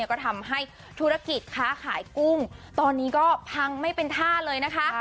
ก็ทำให้ธุรกิจค้าขายกุ้งตอนนี้ก็พังไม่เป็นท่าเลยนะคะ